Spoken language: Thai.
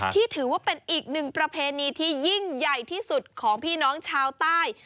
ถือว่าเป็นอีกหนึ่งประเพณีที่ยิ่งใหญ่ที่สุดของพี่น้องชาวใต้